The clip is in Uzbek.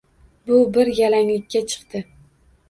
Bu bir yalanglikka chiqdi.